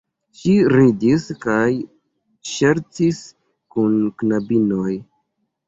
Ŝi ridis kaj ŝercis kun knabinoj.